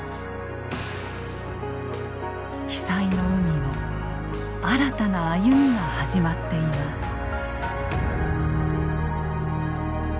被災の海の新たな歩みが始まっています。